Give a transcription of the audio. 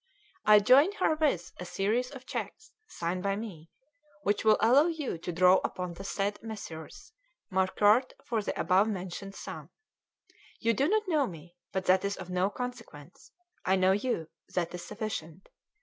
I join herewith a series of cheques, signed by me, which will allow you to draw upon the said Messrs. Marcuart for the above mentioned sum. You do not know me, but that is of no consequence. I know you: that is sufficient.